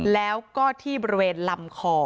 แล้วก็ที่บริเวณลำคอ